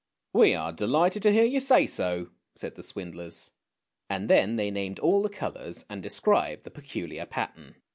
" We are delighted to hear you say so," said the swindlers, and then they named all the colours and described the peculiar pattern.